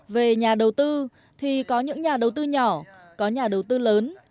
về nhà đầu tư thì có những nhà đầu tư nhỏ có nhà đầu tư lớn